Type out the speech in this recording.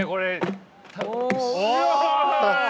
お！